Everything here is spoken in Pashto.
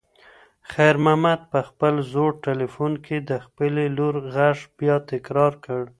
خیر محمد په خپل زوړ تلیفون کې د خپلې لور غږ بیا تکرار کړ.